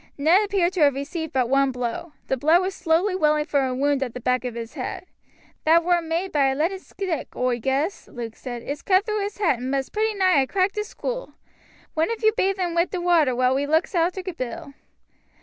Ned appeared to have received but one blow. The blood was slowly welling from a wound at the back of his head. "That war maade by a leaded stick, oi guess," Luke said; "it's cut through his hat, and must pretty nigh ha' cracked his skool. One of you bathe un wi' the water while we looks arter Bill."